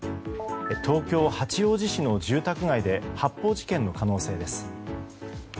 東京・八王子市の住宅街で発砲事件の可能性です。